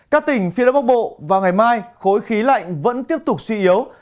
các tỉnh phía đông bắc bộ vào ngày mai khối khí lạnh vẫn tiếp tục suy yếu